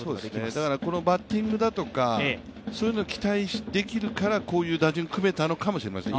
だからこのバッティングだとか、そういうのを期待できるからこそ、こういう打順組めたのかもしれません。